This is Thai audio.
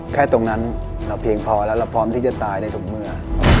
แค่ตรงนั้นเราเพียงพอแล้วเราพร้อมที่จะตายในถุงมือ